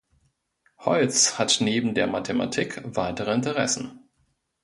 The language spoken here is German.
Holtz hat neben der Mathematik weitere Interessen.